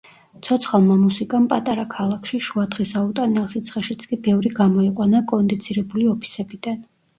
ცოცხალმა მუსიკამ პატარა ქალაქში, შუადღის აუტანელ სიცხეშიც კი ბევრი გამოიყვანა კონდიცირებული ოფისებიდან.